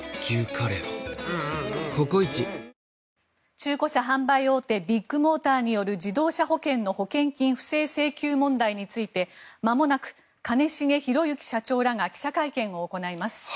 中古車販売大手ビッグモーターによる自動車保険の保険金不正請求問題についてまもなく兼重宏行社長らが記者会見を行います。